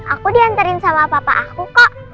aku diantarin sama papa aku kok